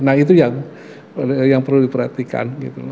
nah itu yang perlu diperhatikan gitu loh